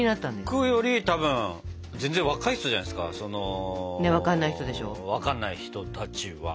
僕よりたぶん全然若い人じゃないですかその分かんない人たちは。